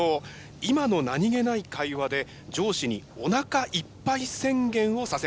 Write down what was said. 今の何気ない会話で上司におなかいっぱい宣言をさせました。